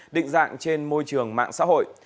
định dạng trên môi trường mạng xã hội